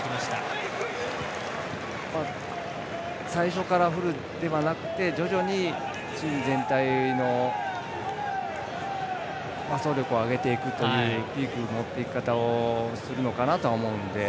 最初からフルではなくて徐々にチーム全体の総力を上げていくという持っていき方をするのかなと思うので。